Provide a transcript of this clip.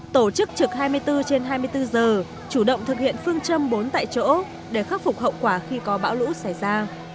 tổ chức trực hai mươi bốn trên hai mươi bốn giờ chủ động thực hiện phương châm bốn tại chỗ để khắc phục hậu quả khi có bão lũ xảy ra